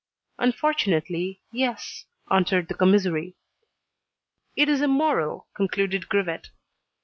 "Unfortunately, yes," answered the commissary. "It is immoral," concluded Grivet.